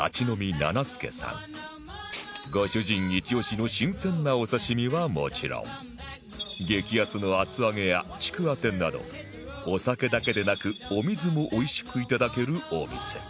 ご主人イチオシの新鮮なお刺し身はもちろん激安の厚揚げやちくわ天などお酒だけでなくお水もおいしくいただけるお店